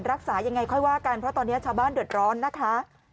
รักษายังไงค่อยว่ากันเพราะตอนนี้ชาวบ้านเดือดร้อนนะคะ